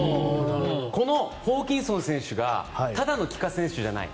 このホーキンソン選手がただの帰化選手じゃない。